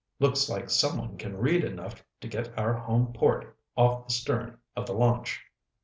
"Looks like someone can read enough to get our home port off the stern of the launch."